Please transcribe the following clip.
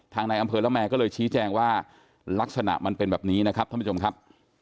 ในอำเภอละแมก็เลยชี้แจงว่าลักษณะมันเป็นแบบนี้นะครับท่านผู้ชมครับ